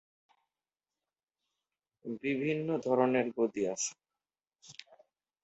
বিভিন্ন ধরনের গদি আছে।